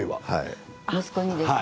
息子にですか？